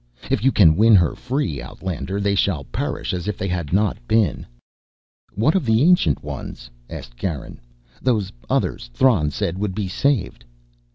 If you can win her free, outlander, they shall perish as if they had not been." "What of the Ancient Ones?" asked Garin "those others Thran said would be saved?"